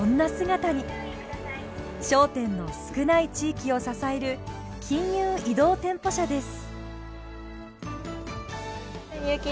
商店の少ない地域を支える金融移動店舗車です。